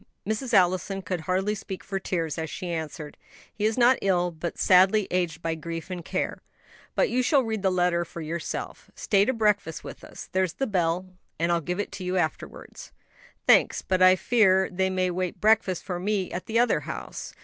Mrs. Allison could hardly speak for tears, as she answered, "He is not ill, but sadly aged by grief and care. But you shall read the letter for yourself. Stay to breakfast with us (there's the bell), and I'll give it to you afterwards." "Thanks; but I fear they may wait breakfast for me at the other house."